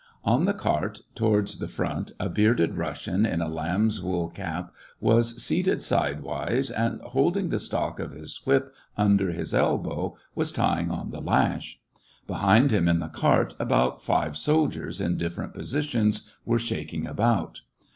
On the cart, towards the front, a bearded Russian, in a lamb's wool cap, was seated side wise, and, holding the stock of his whip under his elbow, was tying on the lash. Behind him in the cart, about five soldiers, in different positions, were shaking about.